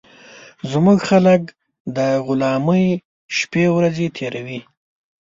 زموږ خلک د غلامۍ شپې ورځي تېروي